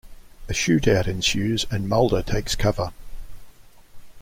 A shootout ensues, and Mulder takes cover.